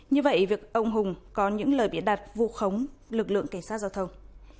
như vậy việc ông hùng có những lời biển đặt vụ khống lực lượng cảnh sát giao thông